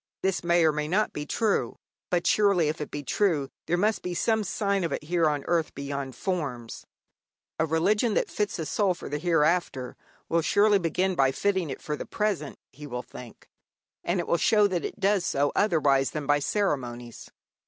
This may or may not be true; but surely, if it be true, there must be some sign of it here on earth beyond forms. A religion that fits a soul for the hereafter will surely begin by fitting it for the present, he will think. And it will show that it does so otherwise than by ceremonies.